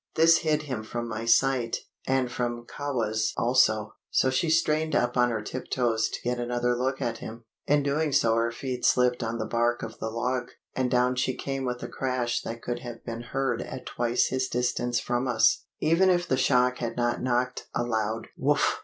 This hid him from my sight, and from Kahwa's also, so she strained up on her tiptoes to get another look at him. In doing so her feet slipped on the bark of the log, and down she came with a crash that could have been heard at twice his distance from us, even if the shock had not knocked a loud 'Wooff!'